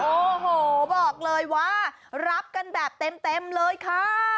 โอ้โหบอกเลยว่ารับกันแบบเต็มเลยค่ะ